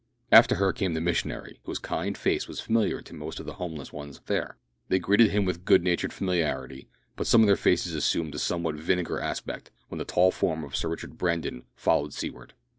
After her came the missionary, whose kind face was familiar to most of the homeless ones there. They greeted him with good natured familiarity, but some of their faces assumed a somewhat vinegar aspect when the tall form of Sir Richard Brandon followed Seaward.